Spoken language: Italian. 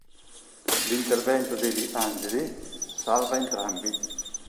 L'intervento degli "Angeli" salva entrambi.